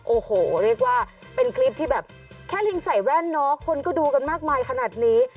โอ้โหเรียกว่าเป็นคลิปที่แบบแค่ลิงใส่แว่นเนาะคนก็ดูกันมากมายขนาดนี้